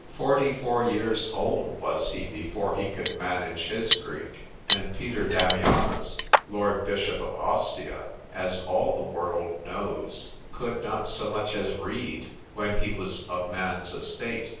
——Forty four years old was he before he could manage his Greek;—and Peter Damianus, lord bishop of Ostia, as all the world knows, could not so much as read, when he was of man's estate.